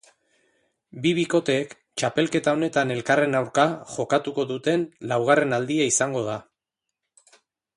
Bi bikoteek txapelketa honetan elkarren aurka jokatuko duten laugarren aldia izango da.